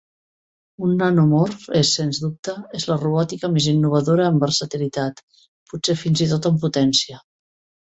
Un nanomorf és, sens dubte, és la robòtica més innovadora en versatilitat, potser fins i tot en potència.